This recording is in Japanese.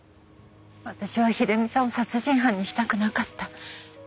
私は秀美さんを殺人犯にしたくなかった。